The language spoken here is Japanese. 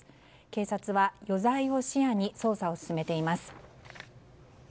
警察は余罪を視野に捜査を進めています。